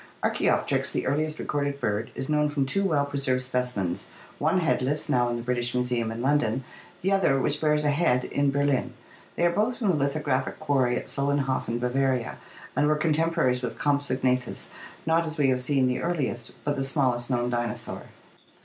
— Archaopteryx, the earliest recorded bird, is known from two well preserved specimens, one headless, now in the British Museum in London, the other, which bears a head, in Ber lin. They are both from the lithographic quarry at Solenhofen, Bavaria, and were contemporaries with Compsognathus, not, as we have seen, the earliest, but the smallest known dinosaur.